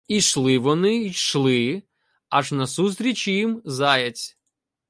Ішли вони, йшли, аж назустріч їм Заєць.